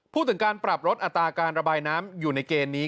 พูดถึงการปรับลดอัตราการระบายน้ำอยู่ในเกณฑ์นี้